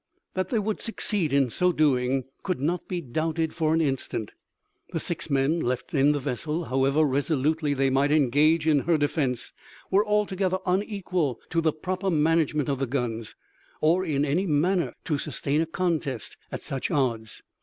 That they would succeed in so doing could not be doubted for an instant. The six men left in the vessel, however resolutely they might engage in her defence, were altogether unequal to the proper management of the guns, or in any manner to sustain a contest at such odds.